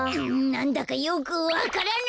なんだかよくわからない！